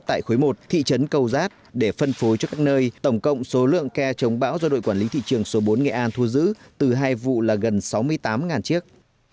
tại khối một thị trấn cầu giác để phân phối cho các nơi tổng cộng số lượng kè chống bão do đội quản lý thị trường số bốn nghệ an thu giữ từ hai vụ là gần sáu mươi tám chiếc